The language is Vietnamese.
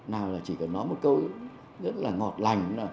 nào là chỉ cần nói một câu rất là ngọt lành